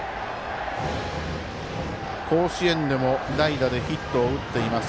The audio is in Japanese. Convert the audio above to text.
甲子園でも代打でヒットを打っています